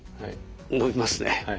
伸びますね。